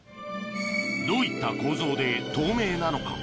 どういった構造で透明なのか